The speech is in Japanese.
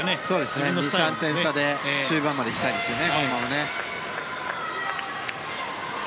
このまま２３点差で終盤まで行きたいですね。